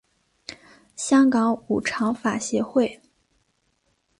香港五常法协会